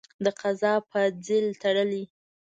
د قضا په ځېل تړلی.